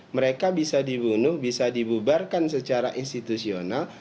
mereka bisa dibunuh bisa dibubarkan secara institusional